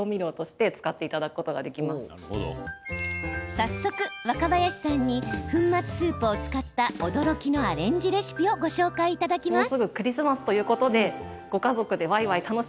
早速、若林さんに粉末スープを使った驚きのアレンジレシピをご紹介いただきます。